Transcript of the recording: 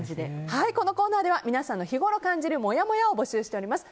このコーナーでは皆さんの日ごろ感じるもやもやを募集しております。